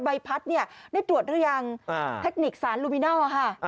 ใบพัดเนี่ยได้ตรวจหรือยังเทคนิคสารลูมินัลค่ะ